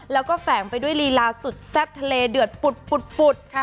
แล้วก็แฝงไปด้วยลีลาสุดแซ่บทะเลเดือดปุด